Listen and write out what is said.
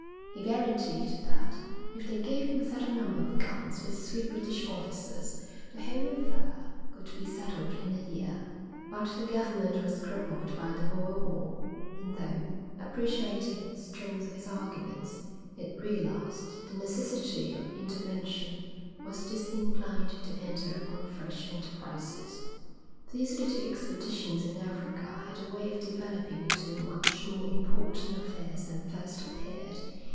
He guaranteed that, if they gave him a certain number of guns with three British officers, the whole affair could be settled in a year. But the government was crippled by the Boer War; and though, appreciating the strength of his arguments, it realised the necessity of intervention, was disinclined to enter upon fresh enterprises. These little expeditions in Africa had a way of developing into much more important affairs than first appeared.